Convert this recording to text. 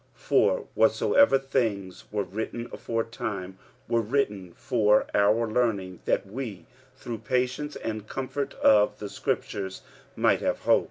45:015:004 For whatsoever things were written aforetime were written for our learning, that we through patience and comfort of the scriptures might have hope.